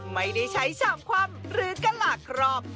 ไม่ได้ใช้ชามคว่ำหรือกะหลากครอบ